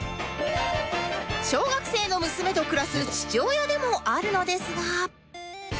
小学生の娘と暮らす父親でもあるのですが